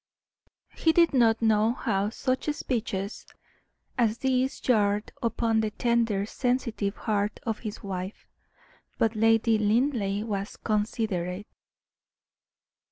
He did not know how such speeches as these jarred upon the tender, sensitive heart of his wife. But Lady Linleigh was considerate.